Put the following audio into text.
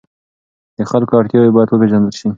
د خلکو اړتیاوې باید وپېژندل سي.